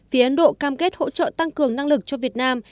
phía ấn độ cam kết hỗ trợ tăng cường năng lực cho việt nam